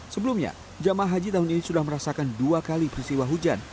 sebelumnya jemaah haji tahun ini sudah merasakan dua kali peristiwa hujan